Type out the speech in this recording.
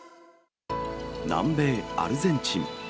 南米アルゼンチン。